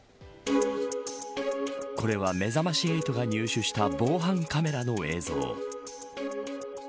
これは、めざまし８が入手した防犯カメラの映像。